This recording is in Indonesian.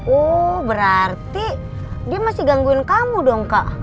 oh berarti dia masih gangguin kamu dong kak